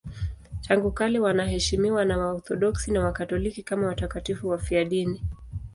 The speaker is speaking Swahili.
Tangu kale wanaheshimiwa na Waorthodoksi na Wakatoliki kama watakatifu wafiadini.